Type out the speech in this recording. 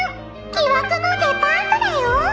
「疑惑のデパートだよ」